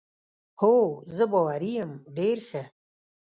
هو، زه باوري یم، ډېر ښه.